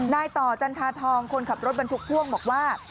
นายต่อจันทาทองคนขับรถบรรทุกพ่วงบอกว่า